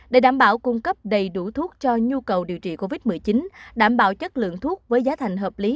để đảm bảo cung cấp đầy đủ thuốc cho nhu cầu điều trị covid một mươi chín đảm bảo chất lượng thuốc với giá thành hợp lý